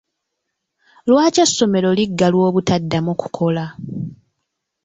Lwaki essomero liggalwa obutaddamu kukola?